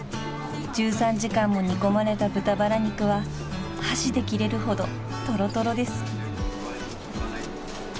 ［１３時間も煮込まれた豚バラ肉は箸で切れるほどとろとろです］